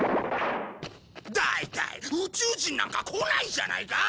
大体宇宙人なんか来ないじゃないか！